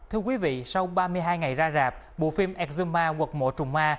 thưa quý vị sau ba mươi hai ngày ra rạp bộ phim exuma quật mộ trùng ma